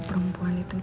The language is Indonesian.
pemimpin ku satu ya